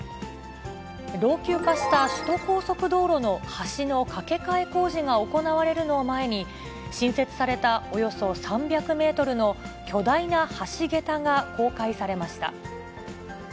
老朽化した首都高速道路の橋の架け替え工事が行われるのを前に、新設されたおよそ３００メートルの巨大な橋桁が公開されました。